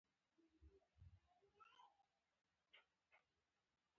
ډرامه د حل لارې وړاندیزوي